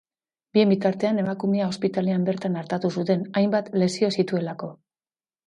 Bien bitartean, emakumea ospitalean bertan artatu zuten, hainbat lesio zituelako.